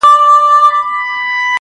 • زه دي پلار یم نصیحت مکوه ماته,